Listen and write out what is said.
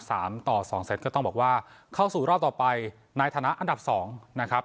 ต่อสองเซตก็ต้องบอกว่าเข้าสู่รอบต่อไปในฐานะอันดับสองนะครับ